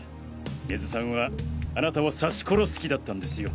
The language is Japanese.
根津さんはあなたを刺し殺す気だったんですよ。